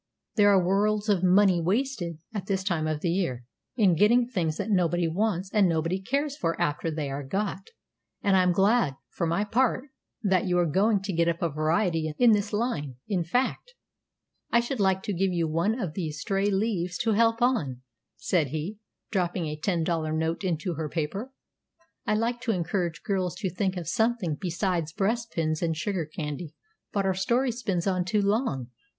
There are worlds of money wasted, at this time of the year, in getting things that nobody wants, and nobody cares for after they are got; and I am glad, for my part, that you are going to get up a variety in this line; in fact, I should like to give you one of these stray leaves to help on," said he, dropping a ten dollar note into her paper. "I like to encourage girls to think of something besides breastpins and sugar candy." But our story spins on too long.